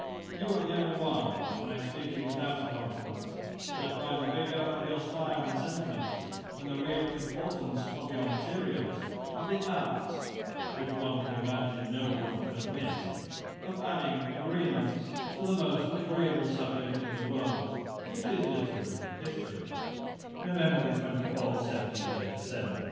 You are the only one, (and I speak it without a compliment) that by the vigour of your stile and sentiments, and the real importance of your materials, have the art, (which one would imagine no one could have missed,) of adding agreements to the most agreeable subject in the world, which is literary history.' 'Nov. 24, 1737.' [Page 30: Not a panegyrick, but a Life.